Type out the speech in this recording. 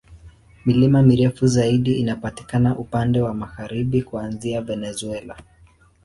Milima mirefu zaidi inapatikana upande wa magharibi, kuanzia Venezuela.